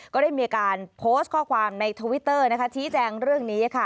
ก็ได้มีการโพสต์ข้อความในทวิตเตอร์ชี้แจงเรื่องนี้